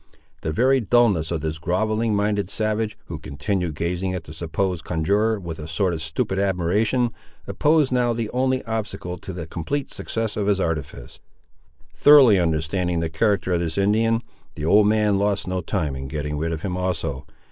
The very dulness of this grovelling minded savage, who continued gazing at the supposed conjuror with a sort of stupid admiration, opposed now the only obstacle to the complete success of his artifice. Thoroughly understanding the character of this Indian, the old man lost no time in getting rid of him also.